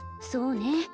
そうね